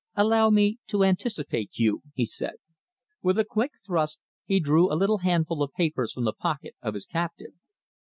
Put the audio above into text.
"Allow me to anticipate you," he said. With a quick thrust he drew a little handful of papers from the pocket of his captive.